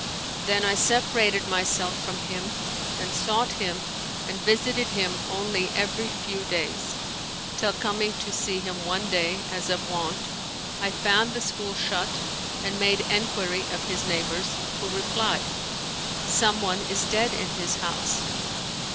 Then I separated myself from him and sought him and visited him only every few days, till coming to see him one day as of wont, I found the school shut and made enquiry of his neighbors, who replied, Some one is dead in his house.'